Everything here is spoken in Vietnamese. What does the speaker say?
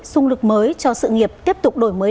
xung lực mới cho sự nghiệp tiếp tục đổi mới